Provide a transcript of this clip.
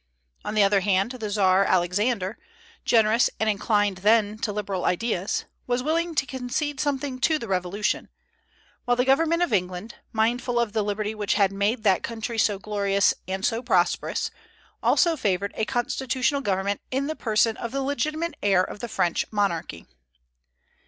On the other hand, the Czar Alexander, generous and inclined then to liberal ideas, was willing to concede something to the Revolution; while the government of England, mindful of the liberty which had made that country so glorious and so prosperous, also favored a constitutional government in the person of the legitimate heir of the French monarchy.